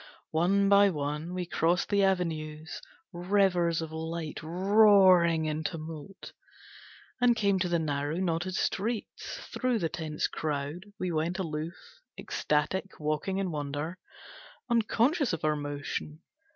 One by one we crossed the avenues, Rivers of light, roaring in tumult, And came to the narrow, knotted streets. Thru the tense crowd We went aloof, ecstatic, walking in wonder, Unconscious of our motion.